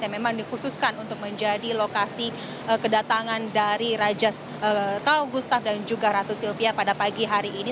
yang memang dikhususkan untuk menjadi lokasi kedatangan dari raja tal gustav dan juga ratu sylvia pada pagi hari ini